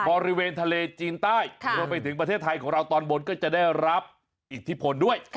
บริเวณทะเลจีนใต้รวมไปถึงประเทศไทยของเราตอนบนก็จะได้รับอิทธิพลด้วย